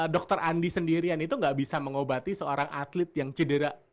dokter andi sendirian itu gak bisa mengobati seorang atlet yang cedera